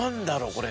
これ。